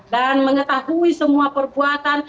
dan mengetahui semua perbuatan